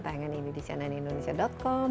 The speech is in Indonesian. tayangan ini di cnnindonesia com